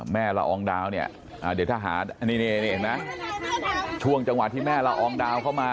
แม่ละอองดาวช่วงจังหวะที่แม่ละอองดาวเข้ามา